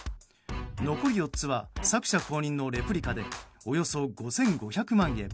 残り４つは作者公認のレプリカでおよそ５５００万円。